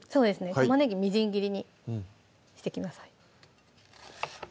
玉ねぎみじん切りにしてください